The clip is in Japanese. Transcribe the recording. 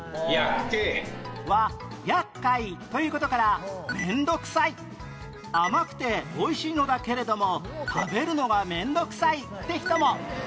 は「厄介」という事から「面倒くさい」甘くておいしいのだけれども食べるのが面倒くさいって人も